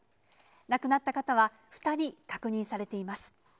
亡くなった方は２人確認されています。